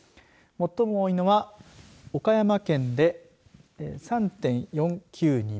最も多いのは岡山県で３．４９人。